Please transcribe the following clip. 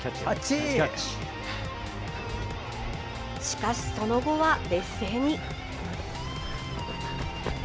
しかし、その後は劣勢に。